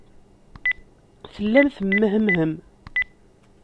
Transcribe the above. Tellam temmehmhem.